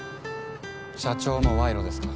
社長も賄賂ですか？